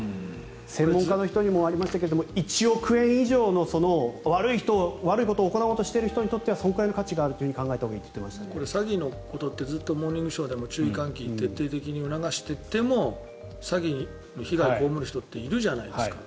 専門家の人からもありましたが１億円以上の悪いことを行おうとしている人たちにとってはそのくらいの価値があると考えたほうがいいと詐欺のことってずっと「モーニングショー」でも注意喚起を徹底的に促していても詐欺の被害を被る人っているじゃないですか。